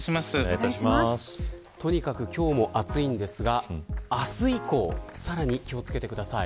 とにかく今日も暑いんですが明日以降さらに気を付けてください。